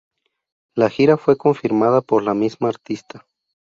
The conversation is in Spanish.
La gira fue confirmada por la misma artista.